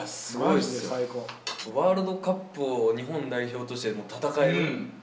ワールドカップを、日本代表として戦える。